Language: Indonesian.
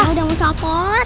udah mau copot